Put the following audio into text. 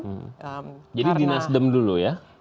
jadi di nasdem dulu ya